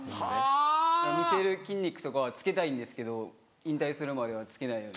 見せる筋肉とかはつけたいんですけど引退するまではつけないように。